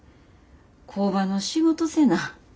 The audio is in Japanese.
工場の仕事せな。